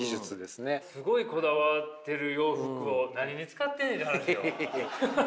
すごいこだわってる洋服を何に使ってんねんって話よ。